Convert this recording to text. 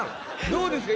どうですか？